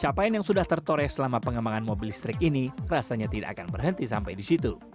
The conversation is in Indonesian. capaian yang sudah tertoreh selama pengembangan mobil listrik ini rasanya tidak akan berhenti sampai di situ